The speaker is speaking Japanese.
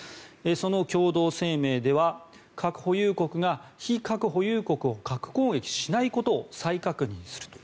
その共同声明では核保有国が非核保有国を核攻撃しないことを再確認すると。